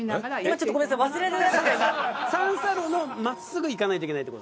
三差路を真っすぐ行かないといけないって事？